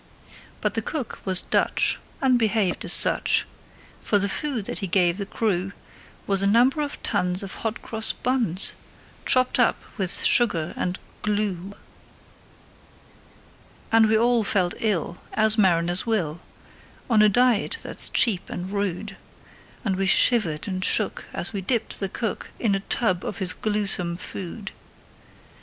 But the cook was Dutch, and behaved as such; For the food that he gave the crew Was a number of tons of hot cross buns, Chopped up with sugar and glue. And we all felt ill as mariners will, On a diet that's cheap and rude; And we shivered and shook as we dipped the cook In a tub of his gluesome food.